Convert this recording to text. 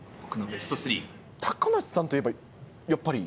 高梨さんといえばやっぱり。